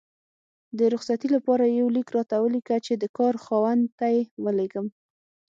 د رخصتي لپاره یو لیک راته ولیکه چې د کار خاوند ته یې ولیږم